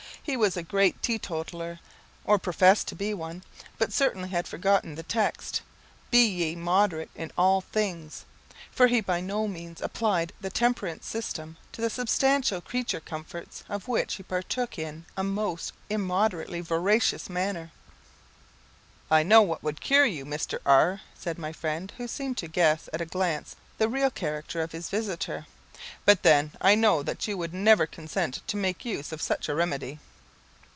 He was a great teetotaller, or professed to be one, but certainly had forgotten the text, "Be ye moderate in all things;" for he by no means applied the temperance system to the substantial creature comforts, of which he partook in a most immoderately voracious manner. "I know what would cure you, Mr. R ," said my friend, who seemed to guess at a glance the real character of his visitor; "but then I know that you would never consent to make use of such a remedy."